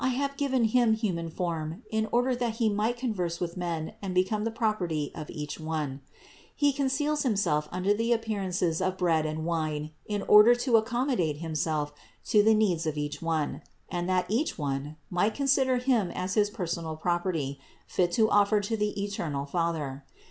I have given Him human form in order that He might converse with men and become the property of each one. He conceals Himself under the appearances of bread and wine in order to ac commodate Himself to the needs of each one, and that each one might consider Him as his personal property fit to offer to the eternal Father.